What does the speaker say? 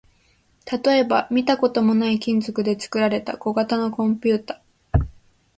例えば、見たこともない金属で作られた小型のコンピュータ